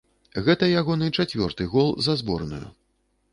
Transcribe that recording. Гэта ягоны чацвёрты гол за зборную.